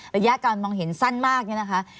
ระยะการมองเห็นสั้นมากเนี่ยนะคะ